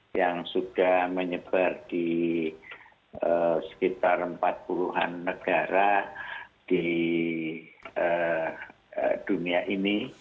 yang sudah menyebar di sekitar empat puluh an negara di dunia ini